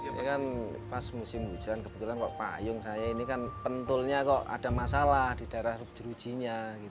ini kan pas musim hujan kebetulan kok payung saya ini kan pentulnya kok ada masalah di daerah rub jerujinya